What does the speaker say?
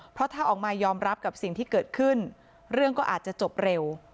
เพราะถ้าออกมายอมรับกับสิ่งที่เกิดขึ้นเรื่องก็อาจจะจบเร็ว